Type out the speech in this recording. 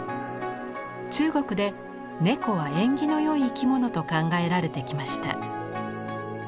中国で猫は縁起のよい生き物と考えられてきました。